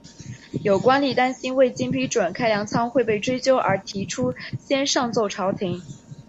有官吏担心未经批准开粮仓会被追究而提出先上奏朝廷。